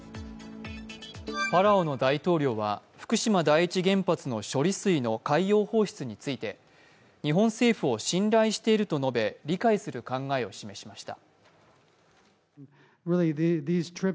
パラオの大統領は福島第一原発の処理水の海洋放出について日本政府を信頼していると述べ理解する考えを示しました。